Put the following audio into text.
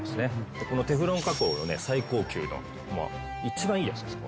でこのテフロン加工がね最高級のもう一番いいやつです